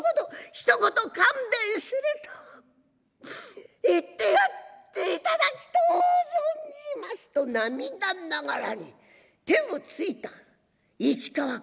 ひと言『勘弁する』と言ってやっていただきとう存じます」と涙ながらに手をついた市川小団次。